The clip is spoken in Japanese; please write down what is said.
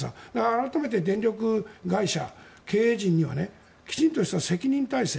改めて電力会社、経営陣にはきちんとした責任体制